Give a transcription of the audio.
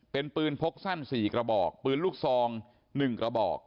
เป็นปืนพกสั้น๔กระบอกปืนลูกซอง๑กระบอก